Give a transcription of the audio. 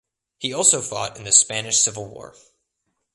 He also fought in the Spanish Civil War.